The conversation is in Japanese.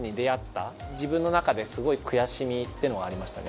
自分の中ですごい悔しみっていうのはありましたね。